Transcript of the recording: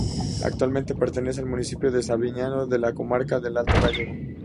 Actualmente pertenece al municipio de Sabiñánigo, en la comarca del Alto Gállego.